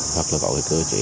hoặc là bảo cơ chế